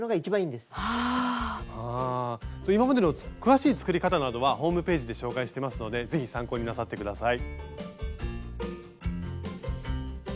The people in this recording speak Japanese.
今までの詳しい作り方などはホームページで紹介してますのでぜひ参考になさって下さい。